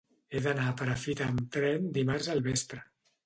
He d'anar a Perafita amb tren dimarts al vespre.